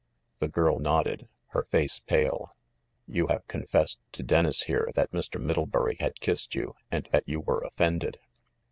iThe girl nodded, her face pale. r "You have confessed to Dennis, here, that Mr. Mid ftlebury had kissed you and that you were offended.